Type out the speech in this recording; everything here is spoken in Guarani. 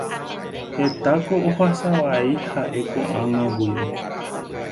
Hetáko ohasavaíta ha'e ko'ág̃a guive.